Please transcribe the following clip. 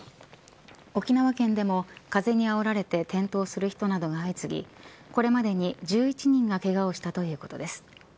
沖縄県でも風にあおられて転倒する人などが相次ぎこれまで１１人がけがをしたということです。